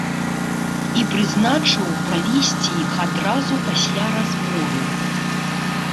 І прызначыў правесці іх адразу пасля разбору.